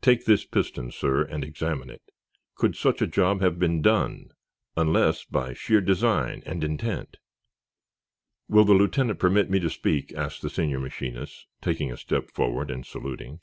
"Take this piston, sir, and examine it. Could such a job have been done, unless by sheer design and intent?" "Will the lieutenant permit me to speak?" asked the senior machinist, taking a step forward and saluting.